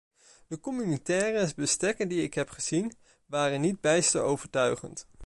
De communautaire bestekken die ik heb gezien, waren niet bijster overtuigend.